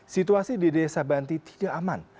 situasi di desa banti tidak aman